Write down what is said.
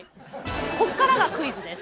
こっからがクイズです。